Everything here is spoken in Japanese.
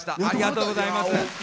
ありがとうございます。